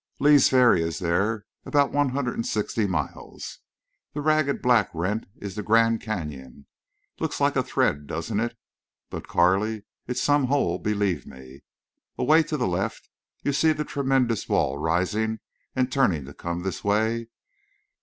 Lee's Ferry is there—about one hundred and sixty miles. That ragged black rent is the Grand Canyon. Looks like a thread, doesn't it? But Carley, it's some hole, believe me. Away to the left you see the tremendous wall rising and turning to come this way.